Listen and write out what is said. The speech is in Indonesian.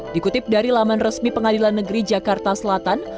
dikutip dari laman resmi pengadilan negeri jakarta selatan